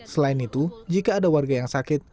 selain itu jika ada warga yang sakit